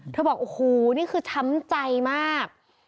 เธอบอกโอ้โหนี่ที่ทำใจมาก